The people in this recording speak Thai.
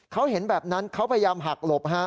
เขาเห็นแบบนั้นเขาพยายามหักหลบ